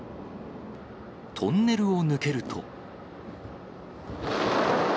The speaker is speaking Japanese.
トンネルを抜けると。